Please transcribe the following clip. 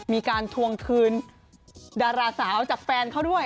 มีการทวงคืนดาราสาวจากแฟนเขาด้วย